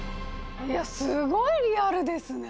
いやすごいリアルですね！